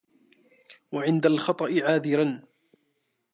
وَعِنْدَ الْخَطَأِ عَاذِرًا